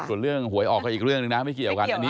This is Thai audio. ส่วนเรื่องหวยออกก็อีกเรื่องหนึ่งนะไม่เกี่ยวกัน